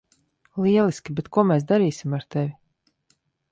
Lieliski, bet ko mēs darīsim ar tevi?